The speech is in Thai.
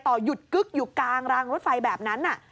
หยุดกึ๊กอยู่กลางรางรถไฟแบบนั้น